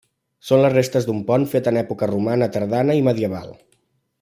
Són les restes d'un pont fet en època romana tardana i medieval.